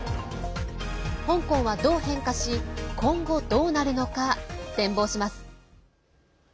香港はどう変化し今後どうなるのか展望します。